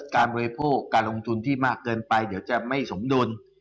บริโภคการลงทุนที่มากเกินไปเดี๋ยวจะไม่สมดุล